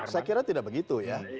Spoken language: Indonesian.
saya kira tidak begitu ya